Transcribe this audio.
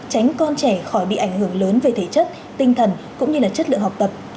tránh con trẻ khỏi bị ảnh hưởng lớn về thể chất tinh thần cũng như chất lượng học tập